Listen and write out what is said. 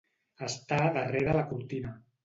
Estar darrere la cortina.